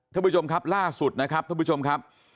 ท่านผู้ชมครับล่าสุดนะครับท่านผู้ชมครับ